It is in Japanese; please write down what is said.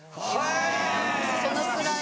そのくらい。